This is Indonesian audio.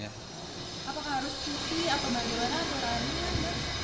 apakah harus cuti atau bagaimana aturannya